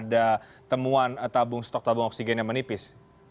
ada temuan tabung stok tabung oksigen yang menipis